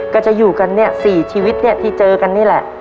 ก็จะอยู่กันเนี่ย๔ชีวิตเนี่ยที่เจอกันนี่แหละ